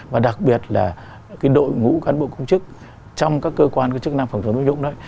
và đặc biệt là cái đội ngũ cán bộ công chức trong các cơ quan có chức năng phòng chống tham nhũng đấy